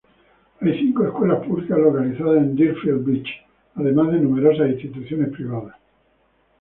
Hay cinco escuelas públicas localizadas en Deerfield Beach, además de numerosas instituciones privadas.